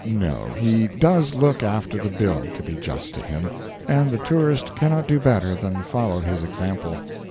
No, he does look after the bill to be just to him and the tourist cannot do better than follow his example.